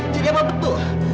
jadi apa betul